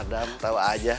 madam tau aja